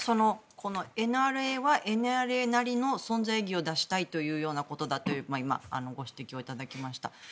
ＮＲＡはＮＲＡなりの存在意義を出したいというようなことだと今、ご指摘をいただきました。